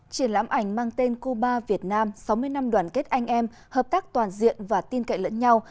triển lãm ảnh mang tên cuba việt nam sáu mươi năm đoàn kết anh em hợp tác toàn diện và tin cậy lẫn nhau